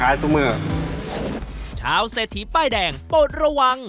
ไม่อยากเชื่อแนวจากเมื่อกายที่พาไปป้ายแดง